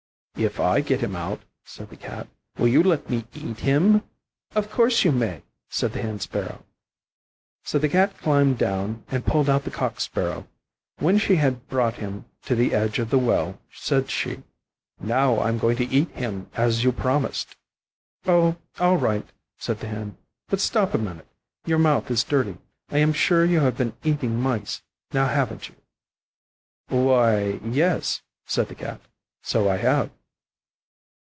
"If I get him out," said the Cat, "will you let me eat him?" "Of course you may," said the Hen sparrow. So the Cat climbed down, and pulled out the Cock sparrow. When she had brought him to the edge of the well, said she, "Now I'm going to eat him as you promised." "Oh, all right," said the Hen. "But stop a minute, your mouth is dirty. I am sure you have been eating mice. Now haven't you?" "Why, yes," said the Cat, "so I have."